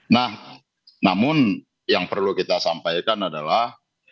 nah namun yang perlu kita sampaikan adalah